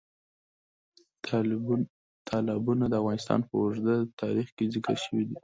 تالابونه د افغانستان په اوږده تاریخ کې ذکر شوي دي.